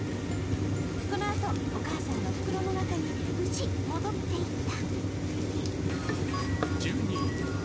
このあと、お母さんの袋の中に無事戻っていった。